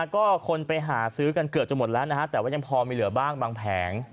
ก็คนไปหาซื้อกันเกือบจะหมดแล้วนะฮะแต่ว่ายังพอมีเหลือบ้างบางแผง